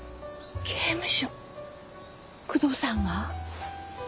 刑務所久遠さんが？